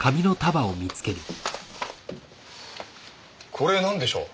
これなんでしょう？